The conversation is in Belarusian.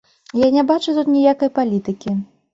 Я не бачу тут ніякай палітыкі.